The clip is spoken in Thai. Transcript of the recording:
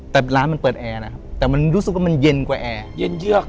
แต่ร้านมันเปิดแอร์นะครับแต่มันรู้สึกว่ามันเย็นกว่าแอร์เย็นเยือก